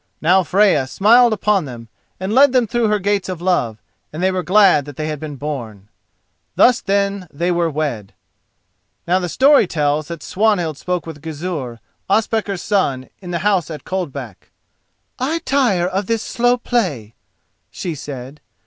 Now Freya smiled upon them and led them through her gates of love, and they were glad that they had been born. Thus then they were wed. Now the story tells that Swanhild spoke with Gizur, Ospakar's son, in the house at Coldback. "I tire of this slow play," she said.